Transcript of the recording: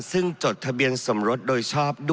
ซึ่งจดทะเบียนสมรสโดยชอบด้วย